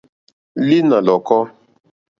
Lǐnà lɔ̀kɔ́.